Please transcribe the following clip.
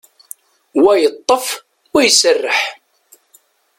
Wa yeṭṭef, wa iserreḥ.